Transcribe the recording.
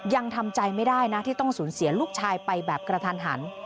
ยังทำใจไม่ได้นะที่ต้องสูญเสียลูกชายไปแบบกระทันหัน